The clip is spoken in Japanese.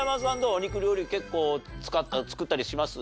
お肉料理結構作ったりします？